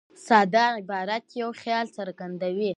ساده عبارت یو خیال څرګندوي.